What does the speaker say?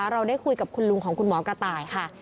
เราได้คุยกับคุณลุงของคุณหมอกระต่ายค่ะ